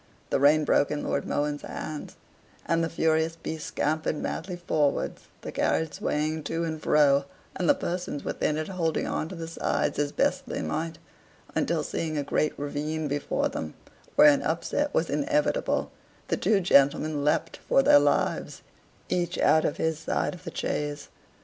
The rein broke in Lord Mohun's hands, and the furious beasts scampered madly forwards, the carriage swaying to and fro, and the persons within it holding on to the sides as best they might, until seeing a great ravine before them, where an upset was inevitable, the two gentlemen leapt for their lives, each out of his side of the chaise.